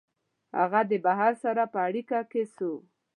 هغه د بهر سره په اړیکه کي سو